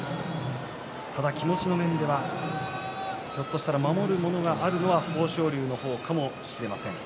ただ、気持ちの面ではひょっとしたら守るものがあるのは豊昇龍の方かもしれません。